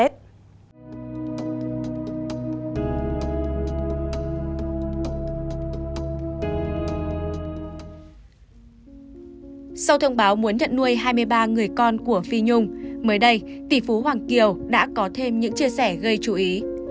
sau thông báo muốn nhận nuôi hai mươi ba người con của phi nhung mới đây tỷ phú hoàng kiều đã có thêm những chia sẻ gây chú ý